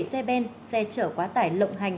xe ben xe chở quá tải lộng hành